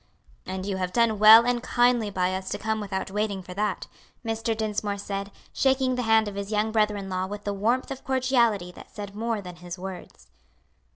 "And you have done well and kindly by us to come without waiting for that," Mr. Dinsmore said, shaking the hand of his young brother in law with a warmth of cordiality that said more than his words.